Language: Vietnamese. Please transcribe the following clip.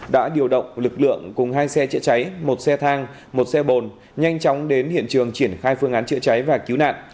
đã điều động lực lượng cùng hai xe chữa cháy một xe thang một xe bồn nhanh chóng đến hiện trường triển khai phương án chữa cháy và cứu nạn